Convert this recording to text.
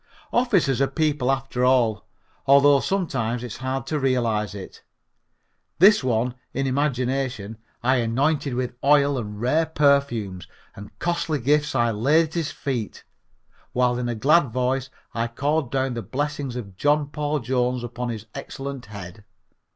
Officers are people after all, although sometimes it's hard to realize it. This one, in imagination, I anointed with oil and rare perfumes, and costly gifts I laid at his feet, while in a glad voice I called down the blessings of John Paul Jones upon his excellent head.